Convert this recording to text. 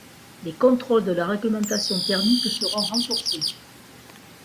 Les contrôles de la règlementation thermique seront renforcés.